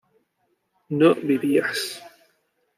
no vivías